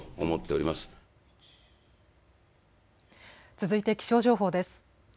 続いて気象情報です。